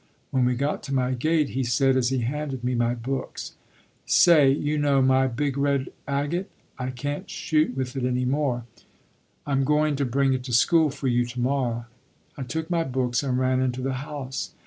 When we got to my gate, he said as he handed me my books: "Say, you know my big red agate? I can't shoot with it any more. I'm going to bring it to school for you tomorrow." I took my books and ran into the house.